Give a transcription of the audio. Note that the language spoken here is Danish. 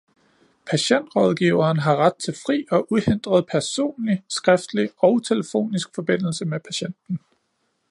Patientrådgiveren har ret til fri og uhindret personlig, skriftlig og telefonisk forbindelse med patienten.